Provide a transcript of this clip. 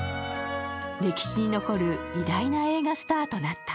歴史に残る偉大な映画スターとなった。